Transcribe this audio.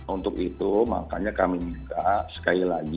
untuk itu makanya kami minta sekali lagi